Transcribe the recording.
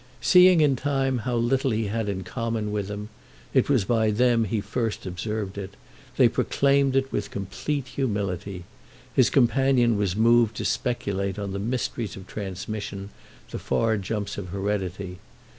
Seeing in time how little he had in common with them—it was by them he first observed it; they proclaimed it with complete humility—his companion was moved to speculate on the mysteries of transmission, the far jumps of heredity.